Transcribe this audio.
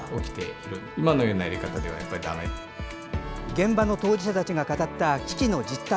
現場の当事者たちが語った危機の実態。